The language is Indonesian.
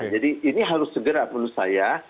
jadi ini harus segera menurut saya